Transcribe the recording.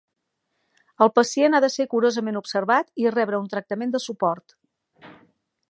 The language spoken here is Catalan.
El pacient ha de ser curosament observat i rebre un tractament de suport.